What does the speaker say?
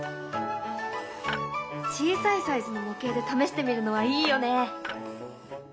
小さいサイズの模型で試してみるのはいいよね。